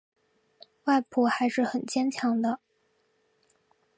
外婆还是很坚强